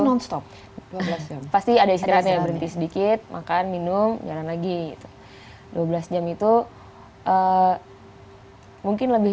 nonstop pasti ada istirahatnya berhenti sedikit makan minum jalan lagi dua belas jam itu mungkin lebih